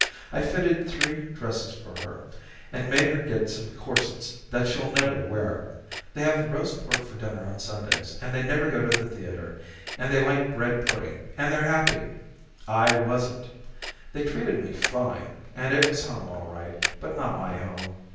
I fitted three dresses for her, and made her get some corsets that she'll never wear. They have roast pork for dinner on Sundays, and they never go to the theater, and they like bread pudding, and they're happy. I wasn't. They treated me fine, and it was home, all right, but not my home.